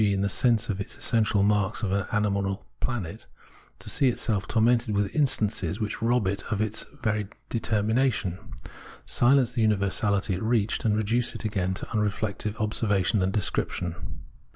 in the case of the essential marks of an animal or a plant — to see itself tormented with instances, which rob it of every determination, Observation of Nature 241 silence the universality it reached, and reduce it again to unreflective observation and description.